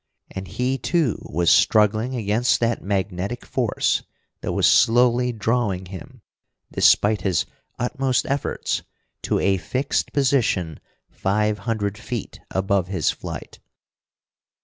And he, too, was struggling against that magnetic force that was slowly drawing him, despite his utmost efforts, to a fixed position five hundred feet above his flight.